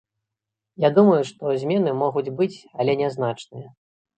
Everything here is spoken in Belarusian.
Я думаю, што змены могуць быць, але нязначныя.